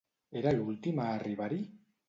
Era l'últim a arribar-hi?